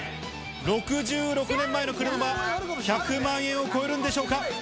６６年前の車は１００万円を超えるんでしょうか？